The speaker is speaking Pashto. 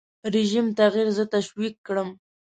رژیم تغییر زه تشویق کړم.